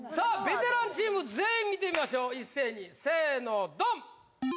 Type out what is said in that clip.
ベテランチーム全員見てみましょう一斉にせーのドン！